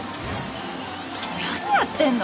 何やってんの？